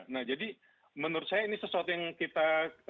nah jadi menurut saya ini sesuatu yang kita